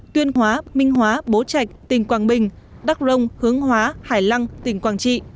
tuyên hóa minh hóa bố trạch tỉnh quảng bình đắk rông hướng hóa hải lăng tỉnh quảng trị